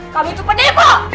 kamu itu penipu